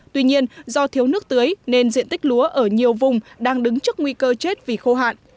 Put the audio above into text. tuy nhiên do thiếu nước tưới nên diện tích lúa ở nhiều vùng đang đứng trước nguy cơ chết vì khô hạn